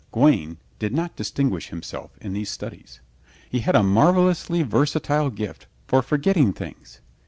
Gawaine did not distinguish himself in these studies. He had a marvelously versatile gift for forgetting things.